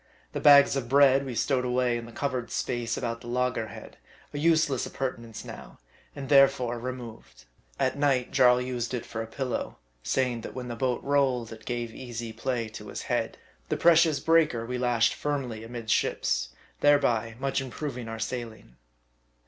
The bags of bread we stowed away in the covered space about the loggerhead, a useless appurtenance now, and therefore re moved. At night, Jarl used it for a pillow ; saying, that when the boat rolled it gave easy play to his head. The precious breaker we lashed firmly amidships ; thereby much improving our sailing.